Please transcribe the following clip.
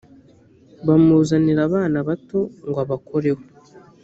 bamuzanira abana bato ngo abakoreho